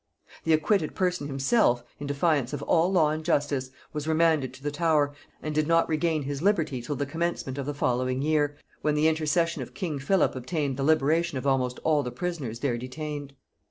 The acquitted person himself, in defiance of all law and justice, was remanded to the Tower, and did not regain his liberty till the commencement of the following year, when the intercession of king Philip obtained the liberation of almost all the prisoners there detained.